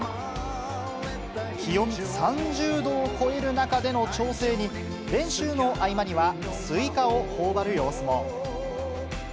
気温３０度を超える中での調整に、練習の合間には、スイカをほおばる様子も。